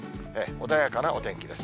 穏やかなお天気です。